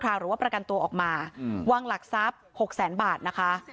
หรือว่าประกันตัวออกมาวางหลักทรัพย์๖แสนบาทนะคะ